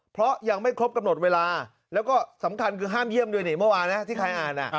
เพราะยังไม่ครบกำหนดเวลาแล้วก็สำคัญคือห้ามเยี่ยมด้วยนี่เมื่อวานนะที่ใครอ่าน